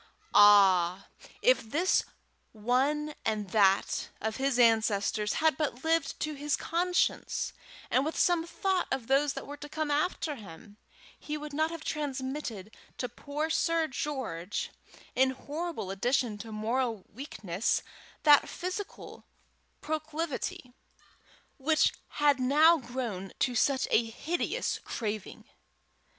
Ah! if this one and that of his ancestors had but lived to his conscience, and with some thought of those that were to come after him, he would not have transmitted to poor Sir George, in horrible addition to moral weakness, that physical proclivity which had now grown to such a hideous craving.